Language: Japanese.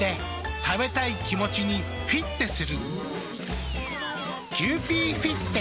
食べたい気持ちにフィッテする。